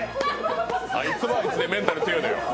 あいつはあいつでメンタル強いのよ。